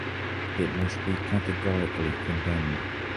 It must be categorically condemned.